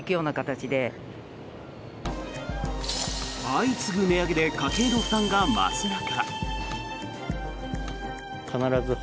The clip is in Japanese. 相次ぐ値上げで家計の負担が増す中。